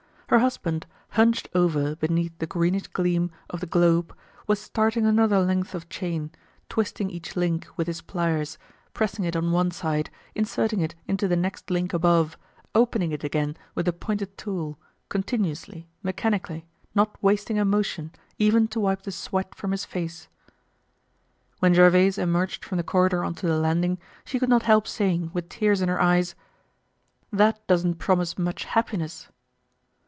Her husband, hunched over beneath the greenish gleam of the globe was starting another length of chain, twisting each link with his pliers, pressing it on one side, inserting it into the next link above, opening it again with the pointed tool, continuously, mechanically, not wasting a motion, even to wipe the sweat from his face. When Gervaise emerged from the corridor on to the landing, she could not help saying, with tears in her eyes: "That doesn't promise much happiness."